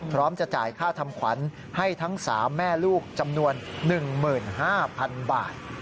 พร้อมจะจ่ายค่าทำขวัญให้ทั้ง๓แม่ลูกจำนวน๑๕๐๐๐บาท